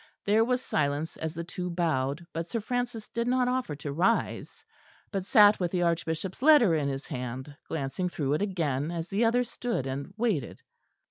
There was silence as the two bowed, but Sir Francis did not offer to rise, but sat with the Archbishop's letter in his hand, glancing through it again, as the other stood and waited.